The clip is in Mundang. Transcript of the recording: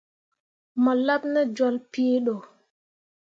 Mo laɓ ne jolle pii ɗo.